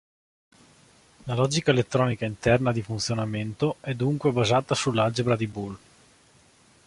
La logica elettronica interna di funzionamento è dunque basata sull'Algebra di Boole.